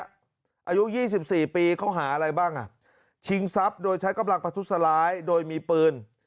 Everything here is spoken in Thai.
อายุ๒๔ปีเขาหาอะไรบ้างอ่ะชิงทรัพย์โดยใช้กำลังประทุษร้ายโดยมีปืน